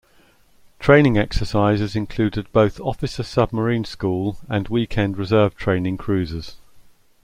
Training exercises included both officer submarine school and weekend reserve training cruises.